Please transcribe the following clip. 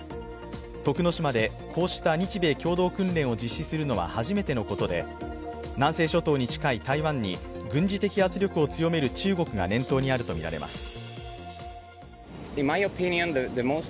徳之島でこうした日米共同訓練を実施するのは初めてのことで南西諸島に近い台湾に軍事的圧力を強める中国が念頭にあるとみられます。